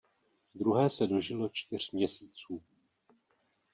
Druhé se dožilo čtyř měsíců.